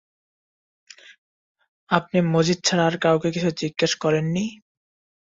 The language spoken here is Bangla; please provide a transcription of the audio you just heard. আপনি মজিদ ছাড়া আর কাউকে কিছু জিজ্ঞেস করেন নি?